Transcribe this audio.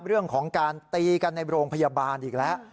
เรื่องของการตีกันในโรงพยาบาลอีกแล้ว